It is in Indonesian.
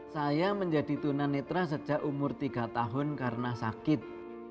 saya menjadi tunanetra sejak umur tiga tahun karena sakit